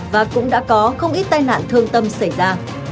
và cũng đã có không ít tai nạn thương tâm xảy ra